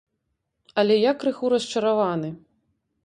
Але я крыху расчараваны.